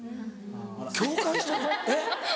「共感したい」えっ？